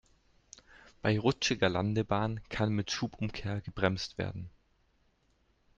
Bei rutschiger Landebahn kann mit Schubumkehr gebremst werden.